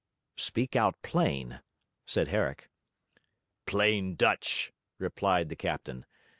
'Speak out plain,' said Herrick. 'Plain Dutch,' replied the captain.